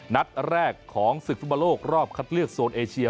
นัดแรกของศึกฟุตบอลโลกรอบคัดเลือกโซนเอเชีย